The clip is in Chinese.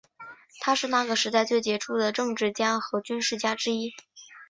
他是那个时代最杰出的政治家和军事家之一。